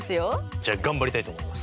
じゃあ頑張りたいと思います。